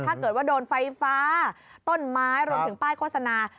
ถ้าเกิดว่าโดนไฟฟ้าต้นไม้รวมถึงป้ายโฆษณา